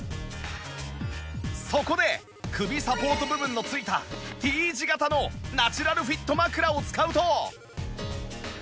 そこで首サポート部分の付いた Ｔ 字型のナチュラルフィット枕を使うと